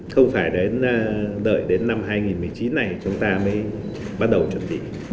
không phải đợi đến năm hai nghìn một mươi chín này chúng ta mới bắt đầu chuẩn bị